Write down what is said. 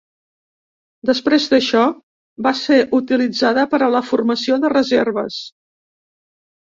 Després d'això, va ser utilitzada per a la formació de reserves.